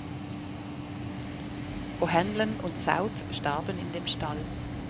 O’Hanlon und South starben in dem Stall.